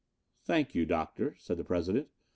"Thank you, Doctor," said the President.